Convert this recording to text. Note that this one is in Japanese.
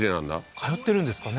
通ってるんですかね